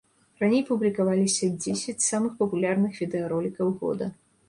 Раней публікаваліся дзесяць самых папулярных відэаролікаў года.